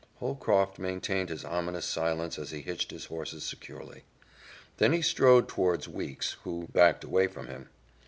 Holcroft maintained his ominous silence as he hitched his horses securely. Then he strode toward Weeks, who backed away from him.